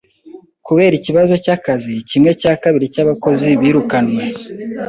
Kubera ikibazo cy'akazi, kimwe cya kabiri cy'abakozi birukanwe.